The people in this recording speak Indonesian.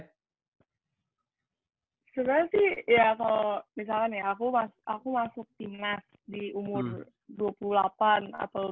sebenarnya sih ya kalau misalnya nih aku masuk tim nas di umur dua puluh delapan atau dua puluh enam